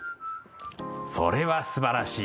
それはすばらしい。